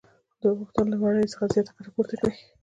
دوی غوښتل له وړیو څخه زیاته ګټه پورته کړي